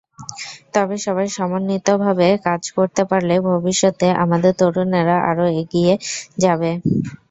তবে সবাই সমন্বিতভাবে কাজ করতে পারলে ভবিষ্যতে আমাদের তরুণেরা আরও এগিয়ে যাবে।